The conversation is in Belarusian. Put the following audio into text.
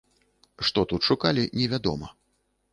Што тут шукалі, невядома.